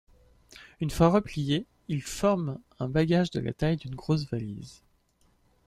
Une fois replié, il forme un bagage de la taille d'un grosse valise.